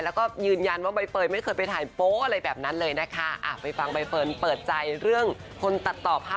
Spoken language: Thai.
หลายอย่างมีพอระหว่างเวลามีไม่เยอะ